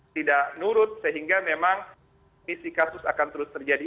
tidak nurut sehingga memang misi kasus akan terus terjadi